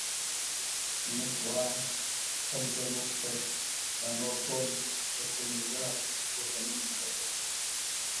مېس وان کمپن وپوښتل: دا نور ټول د کونیګاک بوتلونه دي که څنګه؟